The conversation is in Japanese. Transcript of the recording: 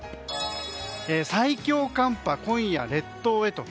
最強寒波、今夜列島へ。